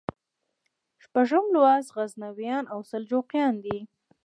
شپږم لوست غزنویان او سلجوقیان دي.